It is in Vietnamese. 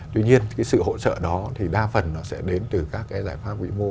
tuy nhiên cái sự hỗ trợ đó thì đa phần nó sẽ đến từ các cái giải pháp vĩ mô